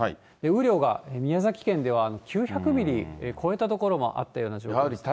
雨量が、宮崎県では９００ミリを超えた所もあったような状況です。